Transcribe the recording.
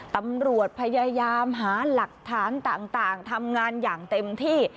ตำรวจพยายามหาหลักฐานต่างทำงานอย่างเต็มที่